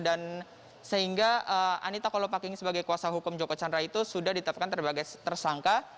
dan sehingga anita kolopaking sebagai kuasa hukum joko chandra itu sudah ditetapkan sebagai tersangka